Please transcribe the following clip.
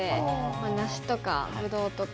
梨とかブドウとか。